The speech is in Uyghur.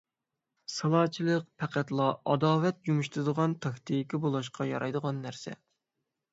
سالاچىلىق پەقەتلا ئاداۋەت يۇمشىتىدىغان تاكتىكا بولۇشقا يارايدىغان نەرسە.